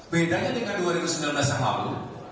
bedanya dengan dua ribu sembilan belas yang lalu